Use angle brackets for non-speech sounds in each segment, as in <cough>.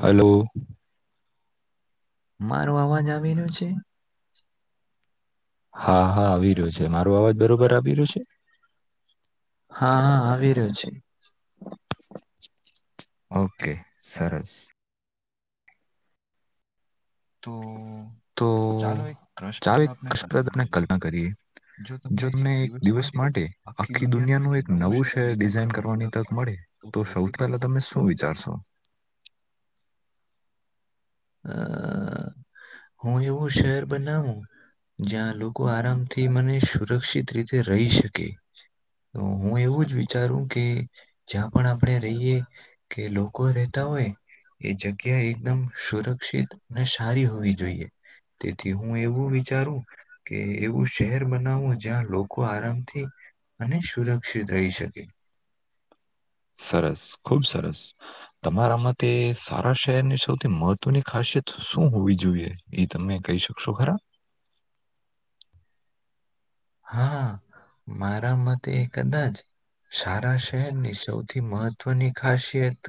Hello. મારો અવાજ આવી રહ્યો છે? હા હા આવી રહ્યો છે મારો અવાજ બરોબર આવી રહ્યો છે? હા હા આવું રહો છે. ઓકે સરસ. તો ચાલો એક ક્રષપ્રદ આપણે કલ્પના કરીએ. જો તમને એક દિવસ માટે આખી દુનિયાનું એક નવું શહેર ડિઝાઇન કરવાની તક મળે. તો સૌથી પહેલા તમે શું વિચારશો? અ હું એવું શહેર બનાવું. જ્યાં લોકો આરામથી મને સુરક્ષિત રીતે રહી શકે. તો હું એવું જ વિચારું કે જ્યાં પણ આપણે રહીએ, કે લોકો રેતા હોય. એ જગ્યા એકદમ સુરક્ષિત અને સારી હોવી જોઈએ. તેથી હું એવું વિચારું કે એવું શહેર બનાવું જ્યાં લોકો આરામથી અને સુરક્ષિત રહી શકે. સરસ ખુબ સરસ, તમારા મતે સારા શહેર ની શું તે મહત્વની ખાસિયત શું હોવી જોઈએ એ તમે કહી શકશો ખરા? હા મારા મતે કદાચ. સારા શહેર ની સૌથી મહત્વની ખાસિયત.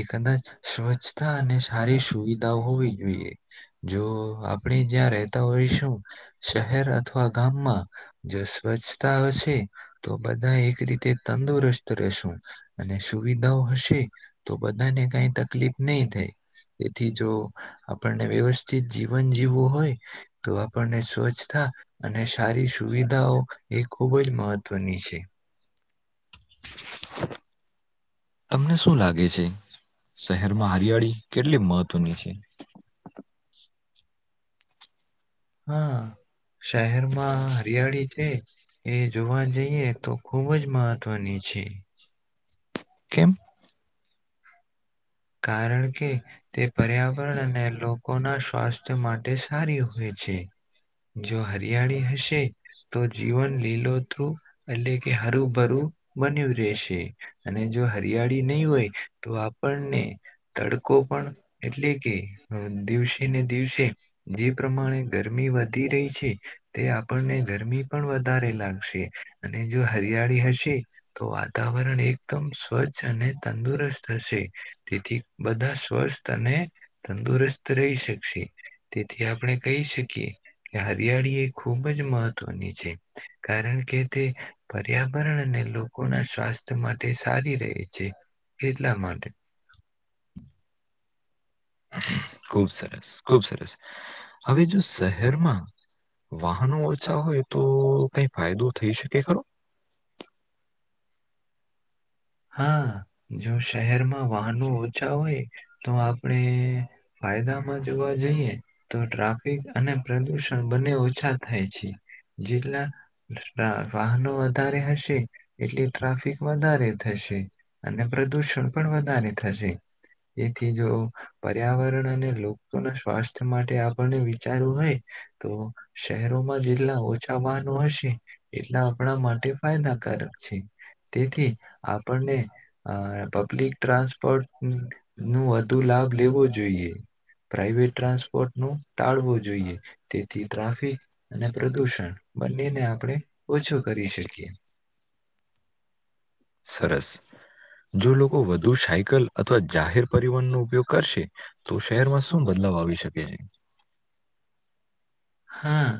એ કદાચ સ્વચ્છતા અને સારી સુવિધાઓ હોવી જોઈએ, જો આપણે જ્યાં રહેતાં તો હોય શું, શહેર અથવા ગામમાં. જો સ્વચ્છતા હશે, તો બધા એક રીતે તંદુરસ્ત રહેશું. અને સુવિધાઓ હશે. તો બધાને કઈ તકલીફ નહિ થાય. તેથી જો આપણને વ્યવસ્થિત જીવન જીવવું હોય, તો આપણને સ્વચ્છતા. અને સારી સુવિધાઓ એ ખુબ જ મહત્વની છે. તમને શું લાગે છે? શહેરમાં હરિયાળી કેટલી મહત્વની છે. હા. શહેરમાં હરિયાળી છે એ જોવા જઈએ ખુબ જ મહત્વની છે. <unintelligible> કેમ? કારણ કે તે પર્યાવરણ અને લોકોના સ્વાસ્થ્ય માટે સા હારી હોય છે, જો હરિયાળી હશે. તો જીવન લીલોતરુ એટલે કે હરુંભરું બન્યું રહેશે. અને જો હરિયાળી નહી હોય, તો આપણને તડકો પણ, એટલે કે દિવસે ને દિવસે જે પ્રમાણે ગરમી વધી રહી છે તે આપણને ગરમી પણ વધારે લાગશે. અને જો હરિયાળી હશે તો, વાતાવરણ એકદમ સ્વચ્છ અને તંદુરસ્ત હશે. તેથી બધા સ્વસ્થ અને તંદુરસ્ત રહી શકશે. તેથી આપણે કહી શકીએ. કે હરિયાળી એ ખૂબ જ મહત્વની છે, કારણ કે તે પર્યાવરણ અને લોકો ના સ્વાસ્થ્ય માટે સારી રહે છે, એટલા માટે. ખુબ સરસ ખુબ સરસ, હવે જો શહેરમાં વાહનો ઓછા હોય તો, કઈ ફાયદો થઈ શકે ખરો? હા, જો શહેરમાં વાહનો ઓછા હોય તો આપણેે ફાયદામાં જોવા જઈએ તો ટ્રાફિક અને પ્રદુષણ બંને ઓછા થાય છે. જેટલા વાહનો વધારે હશે, એટલી ટ્રાફિક વધારે થ થસે અને પ્રદુષણ પણ વધારે થશે. તેથી જો પર્યાવરણ અને લોકો ના સ્વાસ્થ્ય માટે આપણને વિચારવું હોય. તો શહેરોમાં જેટલા ઓછા વાહનો હશે, એટલા આપણા માટે ફાયદાકારક છે, તેથી આપણને અ પબ્લિક ટ્રાન્સપોર્ટ નું વધુ લાભ લેવો જોઈએ. પ્રાાઈવેટ ટ્રાન્સપોર્ટ નું ટાળવો જોઈએ, તેથી ટ્રાફિક અને પ્રદુષણ બંને ને આપણે ઓછું કરી શકીએ. સરસ. જો લોકો વધુ સાયકલ અથવા જાહેર પરિવહનનો ઉપયોગ કરશે, તો શહેરમાં શું બદલાવ આવી શકે? હે <unintelligible> હા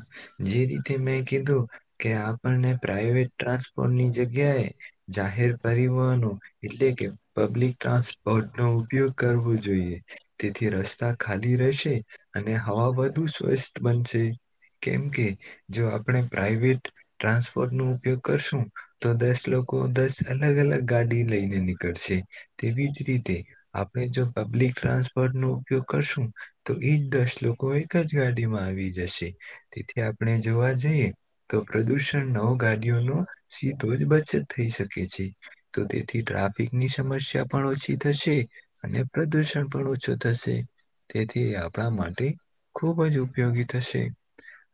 જે રીતે મે કીધું કે આપણને પ્રવેટ ટ્રાન્સ કોની જગ્યાએ જાહેર પરિવહનો એટલે કે પબ્લિક ટ્રાન્સપોર્ટ નો ઉપયોગ કરવો જોઈએ. તેથી રસ્તા ખાલી રહેશે, અને હવા બધુ સ્વસ્થ બનશે. કેમ કે જો આપણે પ્રાઈવેટ ટ્રાન્સપોર્ટ નો ઉપયોગ કરશું. તો દસ લોકો અંદાજ અલગ અલગ ગાડી લઈને નીકળશે. તેવી જ રીતે આપડે જો પબ્લિક હ નો ઉપયોગ કરશું તો એક દસ લોકો એક જ ગાડીમાં આવી જશે. આપણે જોવા જઈએ તો પ્રદુષણનો ગાડીઓનું સીધું જ બચત થઈ શકે. પછી તો તેથી ટ્રાફિકની સમસ્યા પણ ઓછી થશે ન આપ માટે <unintelligible> ખૂબ જ ઉપયોગી થશે,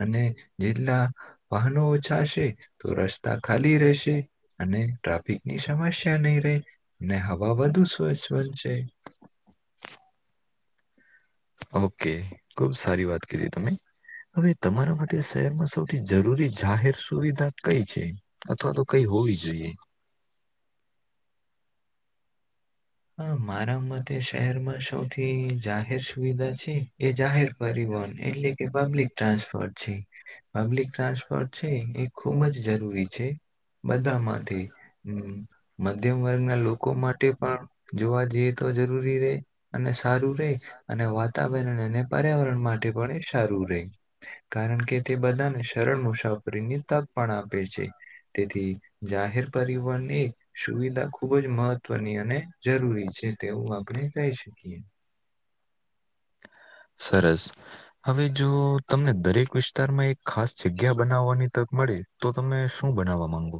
અને જેટલા વાહનો ઓછા હશે તો રસ્તા ખાલી રહેશે અને ટાફિકની સમસ્યા નહી રહે, અને હવે વધુ સ્વચ્છ બનશે. ઓકે. ખુબ સારી વાત કરી તમે. હવે તમારા માટે શહેરમાં સૌથી જરૂરી જાહેર સુવિધા કઈ છે? અથવા તો કઈ હોવી જોઈએ? <unintelligible> <inaudible> એટલે કે પબ્લિક ટ્રાન્સપોર્ટ છે, પબ્લિક ટ્રાન્સપોર્ટ છે જે ખૂબ જ જરૂરી છે. બધા માટે. હમ. મધ્યમ વર્ગના લોકો માટે પણ જોવા જઈએ તો જરૂરી રે અને સારું રે અને વાતાવરણ અને પર્યાવરણ માટે પણ સારું રે. કારણ કે, તે બધાને સરળ મુસાફરીની તક પણ આપે છે, તેથી જાહેર પરિવહનની સુવિધા ખુબ જ મહત્વની અને જરૂરી છે, તેવું આપણે કહી શકીએ. સરસ. હવે, જો તમને દરેક વિસ્તારમાં એક ખાસ જગ્યા બનાવવાની તક મળે તો તમે શું બનાવવા માંગો?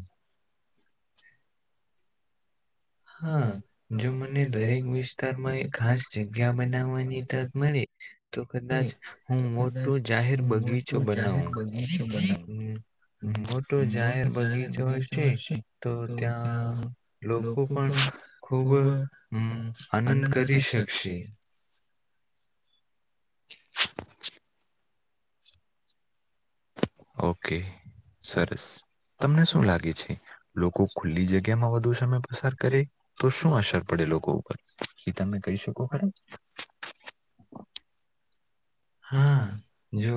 હા, જો મને દરેક વિસ્તારમાં એક ખાસ જગ્યા બનાવવાની તક મળે મલે તો કદાચ હું મોટું જાહેર બગીચો બના વુ. મૃત જાહેર બગીચો હશે તો ત્યાં લોકો પણ ખુબ અ.. આનંદ કરી શકશે. ઓકે. સરસ. તમને શું લાગે છે? લોકો ખુલ્લી જગ્યામાં વધુ સમય પસાર કરે તો શું અસર પડે લોકો ઉપર. એ તમે કહી શકો ખરા? હા, જો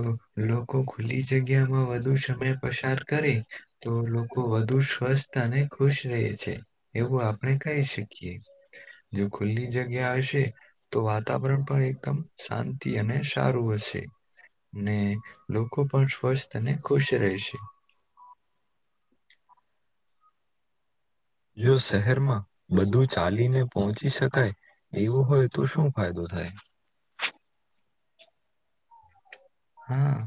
લોકો ખુલ્લી જગ્યામાં વધુ સમય પસાર કરે તો લોકો વધુ સ્વસ્થ અને ખુશ રહે છે, એવું આપણે કહી શકીએ. જો જગ્યા હશે તો વાતાવરણ પણ એકદમ શાંતિ અને સારું હશે. ને લોકો પણ સ્વસ્થ અને ખુશ રહે છે. જો શહેરમાં બધું ચાલીને પહોંચી શકાય એવું હોય, તો શું ફાયદો થાય? હા,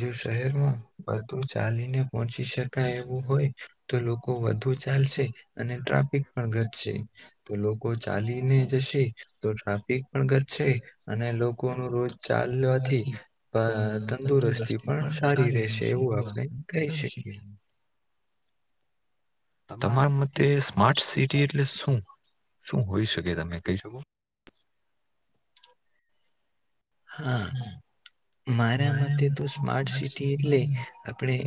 જો શહેરમાં બધું ચાલીને પહોંચી શકાય એવું હોય તો લોકો વધુ ચાલશે અને ટ્રાફિક પણ ઘટશે. તો લોકો ચાલીને જશે તો ટ્રાફિક પણ ઘટશે અને લોકોનું રોજ ચાલવાથી અ તંદુરસ્તી પણ સારી રહેશે, એવું આપણે કહી શકીએ. તમારા મતે સ્માર્ટ સિટી એટલે શું? એવું <inaudible> તમે કહી શકો? હા. મારા મતે તો સ્માર્ટ સિટી એટલે આપણે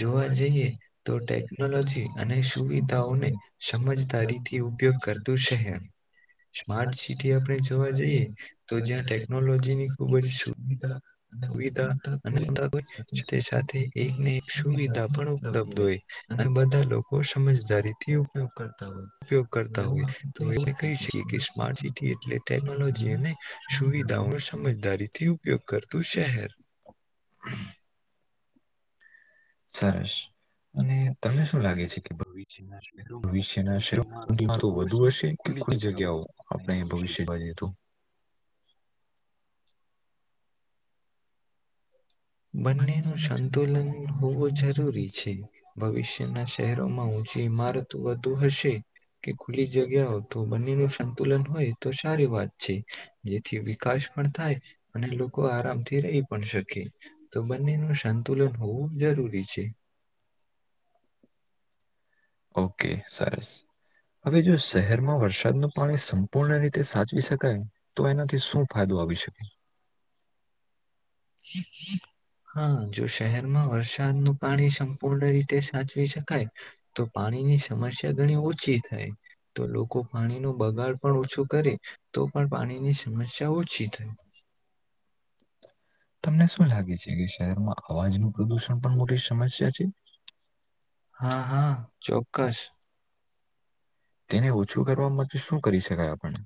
જોવા જઈએ તો ટેકનોલોજી અને સુવિધાઓને સમજદારીથી ઉપયોગ કરતું શહેર. સ્માર્ટ સિટી આપણે જોવા જઈએ, તો જ્યાં ટેકનોલોજી જે બી સુવિધા- અનેત હોય સાથે સાથે, એક એક સુવિધા પણ ઉપલબ્ધ હોય. અને બધા લોકો સમજદારીથી ઉપયોગ કરતા હોય. એવું આપણે કહી શકીએ કે સ્માર્ટ સિટી <unintelligible> સુવિધઓથી <inaudible> ઉપયોગ કરતો શહેર. સરસ. અને તમને શું લાગે છે? ભવિષ્યના શહેરોમાં ઊંચી ઈમારતો વધુ હશ ધુ હશે કે ખુલ્લી જગ્યાઓ? આપણે ભવિષ્ય <inaudible> તો? બંનેનું સંતુલન હોવું જરૂરી છે. ભવિષ્યના શહેરોમાં ઊંચી ઈમારત તો વધું હશે. કે ખુલ્લી જગ્યાઓ વધું. બંનેનું સંતુલન હોય, તો સારી વાત છે. જેથી વિકાસ પણ થાય અને લોકો આરામથી રહી પણ શકે. તો બંનેનું સંતુલન હોવું જરૂરી છે. ઓકે સરસ. હવે જો શહેરમાં વરસાદનું પાણી સંપૂર્ણ રીતે સાચવી શકાય, તો એનાથી શું ફાયદો આવી શક <inaudible> <unintelligible> શહેરમાં વરસાદનું પાણી સંપૂર્ણ રીતે સાચવી <inaudible> તો પાણીની સમસ્યા <inaudible> ઓછી થાય. તો લોકો પાણીનું બગાડ પણ ઓછું કરે તો પણ પાણીની સમસ્યા ઓછી થાય. તમને શું લાગે છે, કે જે અવાજ નું પ્રદુષણ પણ મોટી સમસ્યા છે? હા, હા ચોક્કસ. તેને ઓછું કરવા માટે શું કરી શકાય આપણે?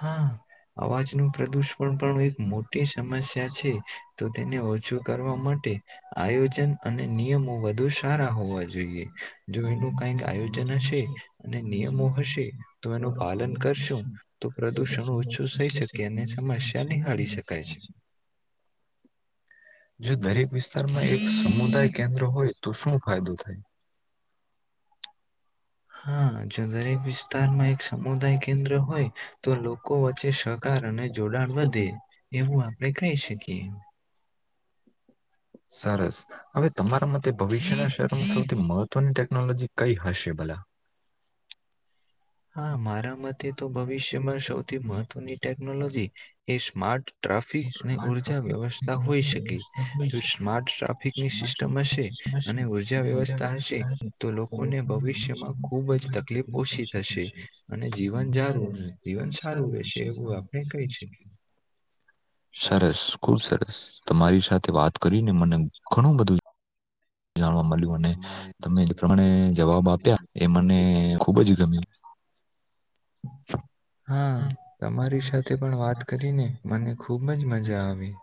હા. અવાજનું પ્રદુષણ પણ એક મોટ ટી સમસ્યા છે. તો તેને ઓછું કરવા માટે આયોજન અને નિયમો વધુ સાર રા હોવા જોઈએ. જો એનું કઈક આયોજન હશે, અને નિયમો હશે તો એનું પાલન કરશું, તો પ્રદુષણ ઓછું સઈ શકે અને સમસ્યા નિહાળી શકાય છે. જો દરેક વિસ્તારમાં એક સમુદાય કેન્દ્ર હોય તો શું ફાયદો થાય? <inaudible> <inaudible> <inaudible> વિસ્તારમાં એક સમુદાય કેન્દ્ર હોય તો લોકો માટે <unintelligible> <inaudible> સરસ હવે તમારા મતે ભવિ ષ્યના શહેરોમાં સૌથી મહત્વની ટેકનોલોજી કંઈ હશે ભલા? હા. મારા મતે તો ભવિષ્યમાં સૌથી મહત્વની ટેકનોલોજી એ સ્માર્ટ ટ્રાફિક અને ઉર્જા વ્યવસ્થા હોઈ શકે. જો સ્માર્ટ ટ્રાફિકની સિસ્ટમ હશે અને ઉર્જા વ્યવસ્થા હશે, તો લોકોને ભવિષ્યમાં ખુબ જ તકલીફ ઓછી થશે. અને જીવન જારું જીવન સારું રહેશે એવું આપણે કહી શકીએ. સરસ, ખુબ સરસ. તમારી સાથે વાત કરીને મને ઘણું બધું જાણવા મલ્યું. અને તમે જે પ્રમાણે જવાબ આપ્યા એ મને ખુબ જ ગમ્યુ. <inaudible> હા. તમારી સાથે વાત કરીને <inaudible>